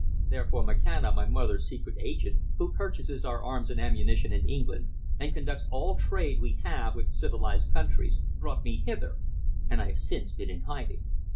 Therefore Makhana, my mother's secret agent, who purchases our arms and ammunition in England and conducts all trade we have with civilized countries, brought me hither, and I have since been in hiding."